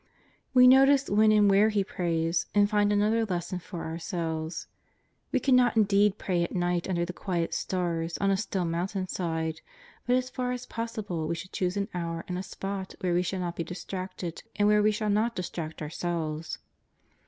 We notice when and where He prays, and find another lesson for ourselves. We cannot indeed pray at night under the quiet stars on a still mountain side ; but as far as possi ble we should choose an hour and a spot where we shall not be distracted, and where we shall not distract our selves.